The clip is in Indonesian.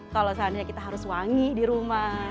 kalau seandainya kita harus wangi di rumah